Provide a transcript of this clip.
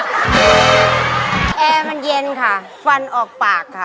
แอร์มันเย็นค่ะฟันออกปากค่ะ